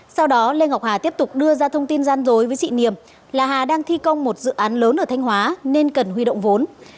sau đó lê ngọc hà tiếp tục đưa ra thông tin gian dối với chị niềm là hà đang thi công một dự án lớn ở thanh hóa nên cần huy động vốn